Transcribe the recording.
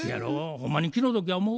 ほんまに気の毒や思う？